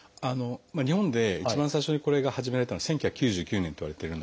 日本で一番最初にこれが始められたのは１９９９年といわれてるので。